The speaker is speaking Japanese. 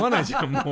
もう。